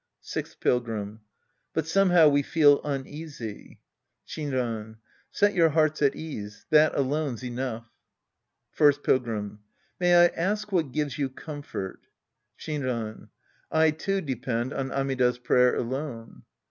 Sixth Pilgrim. But somehow we feel uneasy. Shinran. Set your hearts at ease. That alone's enough. First Pilgrim. May I ask what gives you comfort. Shinran. I, too, depend on Amida's prayer alone.